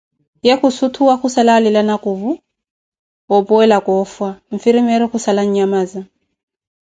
Ye khussutwa, khussala alila nakuuvu ophuwelakah ofea, nfirimeroh khussala an'nhamaza